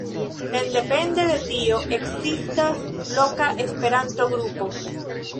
Sendepende de tio, ekzistas loka Esperanto-grupo.